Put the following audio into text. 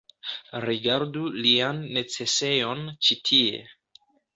Rigardu lian necesejon ĉi tie